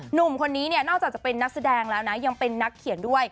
หนุ่มคนนี้เนี่ยนอกจากจะเป็นนักแสดงแล้วนะยังเป็นนักเขียนด้วย